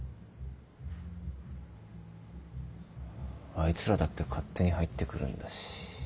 あいつらだって勝手に入ってくるんだし。